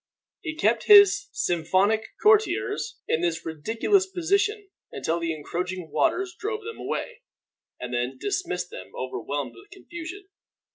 He kept his sycophantic courtiers in this ridiculous position until the encroaching waters drove them away, and then dismissed them overwhelmed with confusion.